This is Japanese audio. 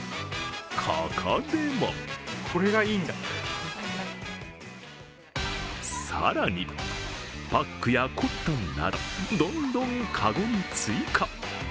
ここでも更に、パックやコットンなどどんどん籠に追加。